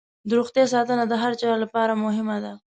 د روغتیا ساتنه د هر چا لپاره مهمه ده.